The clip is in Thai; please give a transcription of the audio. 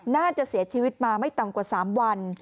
น่าจะเสียชีวิตมาไม่ต่ำกว่า๓วัน